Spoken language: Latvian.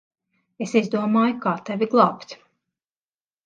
Es izdomāju, kā tevi glābt.